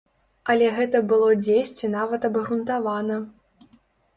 Але гэта было дзесьці нават абгрунтавана.